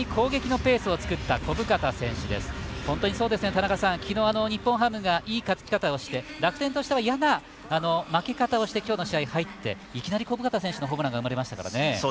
田中さん、昨日、日本ハムがいい勝ち方をして楽天としては嫌な負け方をして入っていきなり小深田選手のホームランが生まれましたからね。